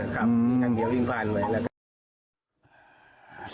ขั้นเดียววิ่งไปเลย